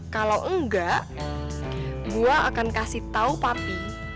kalau enggak gue akan kasih tau papi